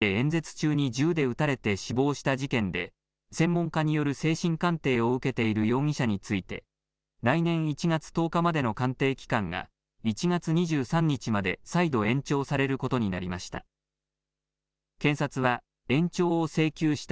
安倍元総理大臣が奈良市で演説中に銃で撃たれて死亡した事件で、専門家による精神鑑定を受けている容疑者について、来年１月１０日までの鑑定期間が１月２３日まで再度延長されることになりました。